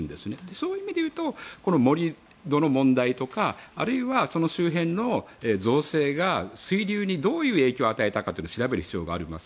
そういう意味で言うとこの盛り土の問題とかあるいはその周辺の造成が水流にどういう影響を与えたかということを調べる必要があります。